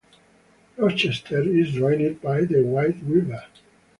Rochester is drained by the White River.